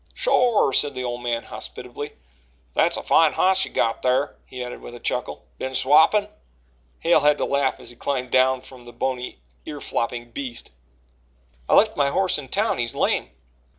"Shore!" said the old man hospitably. "That's a fine hoss you got thar," he added with a chuckle. "Been swappin'?" Hale had to laugh as he climbed down from the bony ear flopping beast. "I left my horse in town he's lame."